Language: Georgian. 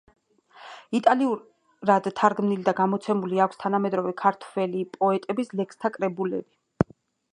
იტალიურად თარგმნილი და გამოცემული აქვს თანამედროვე ქართველი პოეტების ლექსთა კრებულები.